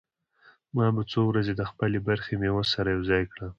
ما به څو ورځې د خپلې برخې مېوه سره يوځاى کړه.